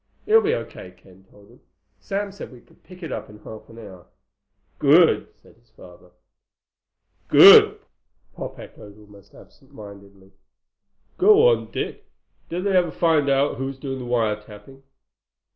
"It'll be O.K.," Ken told him. "Sam said we could pick it up in half an hour." "Good," his father said. "Good," Pop echoed, almost absent mindedly. "Go on, Dick. Did they ever find out who was doing the wire tapping?"